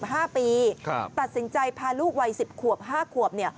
ตัดสินใจพาลูกวัย๑๐ขวบ๕ขวบ